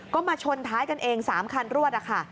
ก็มาชนท้ายกันเอง๓คันรวดนะคะ